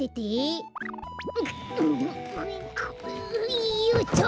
いよっと！